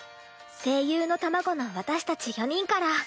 声優の卵の私たち４人から。